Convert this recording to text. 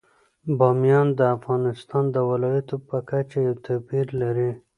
بامیان د افغانستان د ولایاتو په کچه یو توپیر لري.